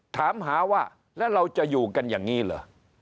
ถามหาว่าแล้วเราจะอยู่กันอย่างนี้เหรอ